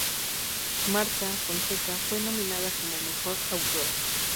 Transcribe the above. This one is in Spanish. Marta Fonseca fue nominada como "Mejor autora".